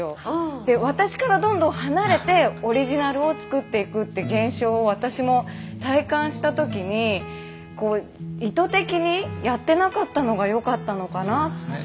で私からどんどん離れてオリジナルを作っていくって現象を私も体感した時にこう意図的にやってなかったのがよかったのかなって。